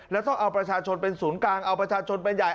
แล้วต้องเอาประชาชนเป็นศูนย์กลางเอาประชาชนเป็นใหญ่